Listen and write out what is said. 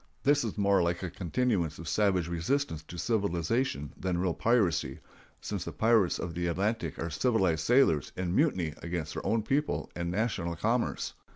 This is more like a continuance of savage resistance to civilization than real piracy, since the pirates of the Atlantic are civilized sailors in mutiny against their own people and national commerce.